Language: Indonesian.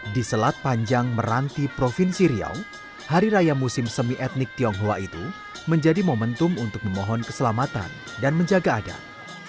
di selat panjang meranti provinsi riau hari raya musim semi etnik tionghoa itu menjadi momentum untuk memohon keselamatan dan menjaga adat